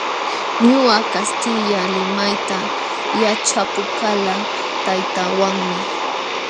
Ñuqa kastilla limayta yaćhapakulqaa taytaawanmi.